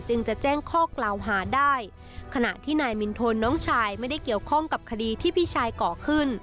จะแจ้งข้อกล่าวหาได้ขณะที่นายมินทนน้องชายไม่ได้เกี่ยวข้องกับคดีที่พี่ชายก่อขึ้น